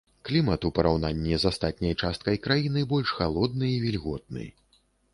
Клімат у параўнанні з астатняй часткай краіны больш халодны і вільготны.